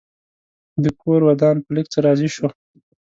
ده کور ودان په لږ څه راضي شو.